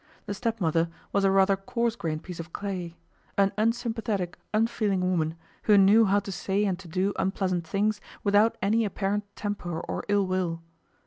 The stepmother was a rather coarse grained piece of clay an unsympathetic, unfeeling woman, who knew how to say and to do unpleasant things without any apparent temper or ill will.